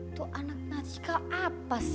tuh anak magical apa sih